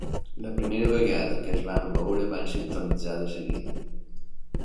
La primera vegada que es van veure van sintonitzar de seguida.